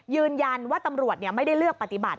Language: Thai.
ยืนยันว่าตำรวจไม่ได้เลือกปฏิบัติ